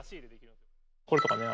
これとかね